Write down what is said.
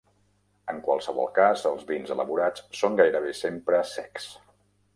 En qualsevol cas, els vins elaborats són gairebé sempre secs.